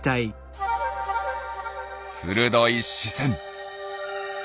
鋭い視線。